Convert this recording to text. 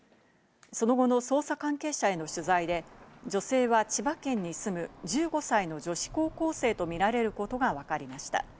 その後の捜査関係者への取材で女性は千葉県に住む１５歳の女子高校生とみられることがわかりました。